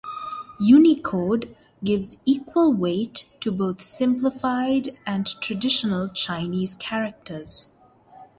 Unicode gives equal weight to both simplified and traditional Chinese characters.